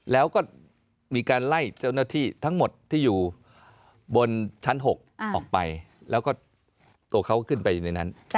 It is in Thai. แล้วก็มีการไล่เจ้าหน้าที่ทั้งหมดที่อยู่บนชั้น๖ออกไปแล้วก็ตัวเขาขึ้นไปอยู่ในนั้น